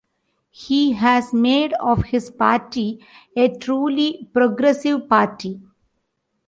He has made of his party a truly progressive party.